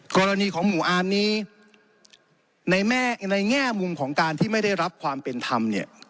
กรณีของหมู่อ่านนี้ในแง่มุมการที่ไม่ได้รับความเป็นธรรม